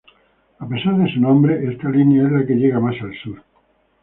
A pesar de su nombre, esta línea es la que llega más al sur.